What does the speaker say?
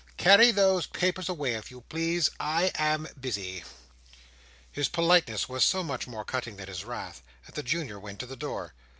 "Carry those papers away, if you please. I am busy. His politeness was so much more cutting than his wrath, that the Junior went to the door.